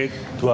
ya dari bawah